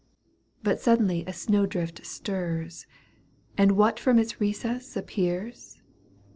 But suddenly a snowdrift stirs. And what from its recess appears